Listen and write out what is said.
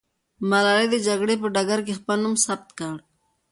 ملالۍ د جګړې په ډګر کې خپل نوم ثبت کړ.